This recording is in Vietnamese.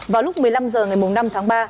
vào lúc một mươi năm h ngày năm tháng ba